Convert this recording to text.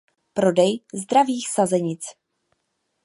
Prodej zdravých sazenic.